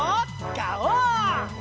ガオー！